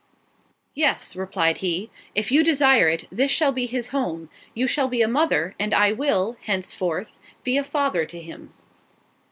"Yes," replied he, "if you desire it, this shall be his home—you shall be a mother, and I will, henceforward, be a father to him."